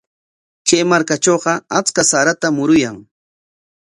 Kay markatrawqa achka saratam muruyan.